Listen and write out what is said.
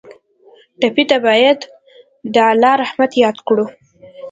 ټپي ته باید د الله رحمت یاد کړو.